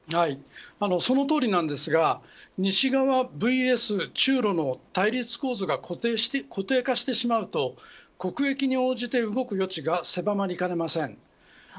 そのとおりなんですが西側ＶＳ中露の対立構造が固定化してしまうと国益に応じて動く余地が狭まりかねません。